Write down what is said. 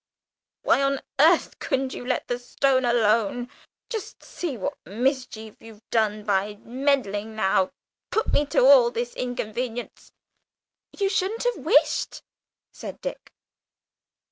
Why on earth couldn't you let the stone alone? Just see what mischief you've done by meddling now put me to all this inconvenience!" "You shouldn't have wished," said Dick.